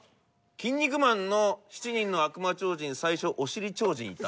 「キン肉マン」の７人の悪魔超人最初おしり超人いた。